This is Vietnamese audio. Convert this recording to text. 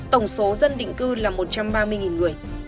tổng số dân định cư là một trăm ba mươi người